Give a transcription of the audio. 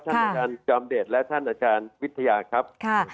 อาจารย์จอมเดชและท่านอาจารย์วิทยาครับ